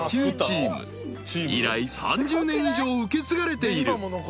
［以来３０年以上受け継がれている］